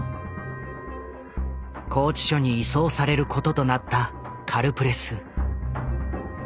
拘置所に移送されることとなったカルプレス。